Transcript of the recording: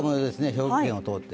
兵庫県を通って。